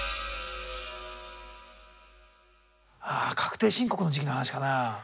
あ確定申告の時期の話かな。